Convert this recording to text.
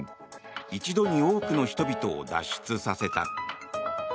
一度に多くの人々を脱出させた。